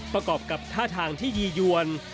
ประกอบกับท่าทางที่ยียวน